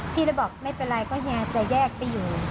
พี่เลยบอกไม่เป็นไรก็เฮียจะแยกไปอยู่